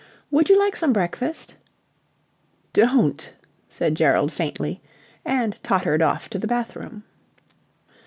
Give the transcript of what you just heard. "Would you like some breakfast?" "Don't!" said Gerald faintly, and tottered off to the bathroom.